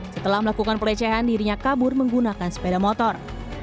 setelah melakukan pelecehan dirinya kabur menggunakan sepeda motor